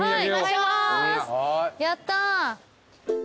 やった。